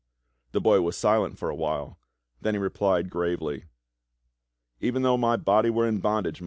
The boy was silent for a while, then he replied gravely: "Even though my body were in bondage.